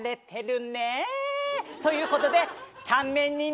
ということで。